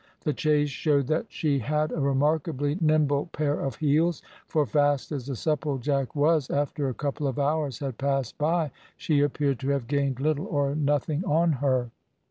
The chase showed that she had a remarkably nimble pair of heels, for fast as the Supplejack was, after a couple of hours had passed by, she appeared to have gained little or nothing on her.